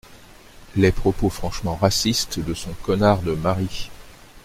les propos franchement racistes de son connard de mari.